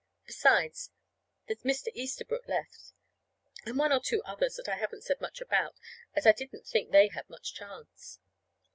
Besides, there's Mr. Easterbrook left (and one or two others that I haven't said much about, as I didn't think they had much chance).